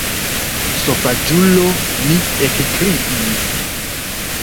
Sovaĝulo mi ekkriis.